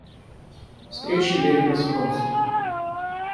Встреча Левина с Вронским.